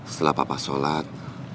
setelah papa sholat